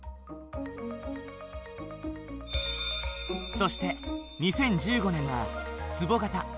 そして２０１５年はつぼ型。